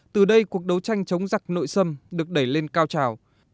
từ đây cuộc đấu tranh chống giặc nội sâm được đẩy lên cao trào